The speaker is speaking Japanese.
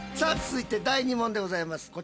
続いて第２問でございます。